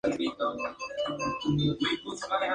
Fernando Belaúnde Terry.